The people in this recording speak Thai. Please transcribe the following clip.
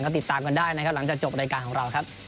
ก็ติดตามกันได้นะครับหลังจากจบรายการของเราครับ